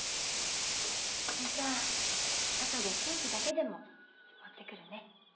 それじゃあ後でケーキだけでも持ってくるね。